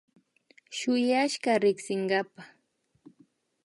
Shuyashka riksinkapa